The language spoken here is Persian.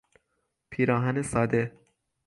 پیراهن ساده